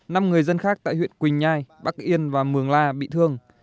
năm người dân khác tại huyện quỳnh nhai bắc yên và mường la bị thương